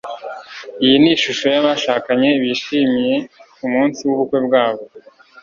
iyi ni ishusho yabashakanye bishimye kumunsi wubukwe bwabo